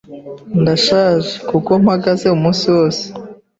Ndashaje, kuko mpagaze umunsi wose.